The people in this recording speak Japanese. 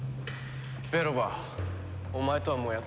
ベロバお前とはもうやってられない。